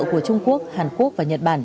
của trung quốc hàn quốc và nhật bản